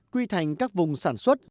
quy thành các vùng sản xuất